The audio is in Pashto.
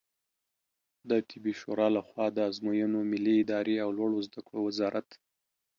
د طبي شورا له خوا د آزموینو ملي ادارې او لوړو زده کړو وزارت